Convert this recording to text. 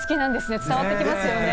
伝わってきますよね。